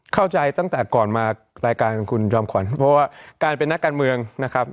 ตั้งแต่ก่อนมารายการของคุณจอมขวัญเพราะว่าการเป็นนักการเมืองนะครับ